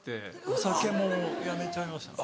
お酒もやめちゃいました。